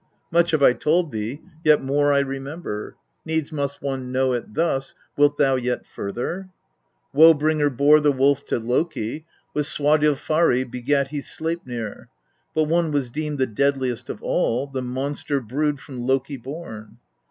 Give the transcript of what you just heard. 7. Much have I told thee, yet more I remember; needs must one know it thus, wilt thou yet further ? 8. Woe bringer bore the wolf to Loki, with Swadilfari begat he Sleiphir. But one was deemed the deadliest of all the monster brood from Loki born.